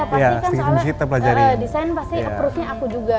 pasti kan soalnya desain pasti approve nya aku juga